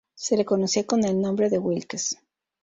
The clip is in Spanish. Se le conocía con el nombre de "Wilkes".